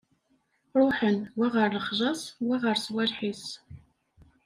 Ṛuḥen, wa ɣer lexla-s, wa ɣer swaleḥ-is.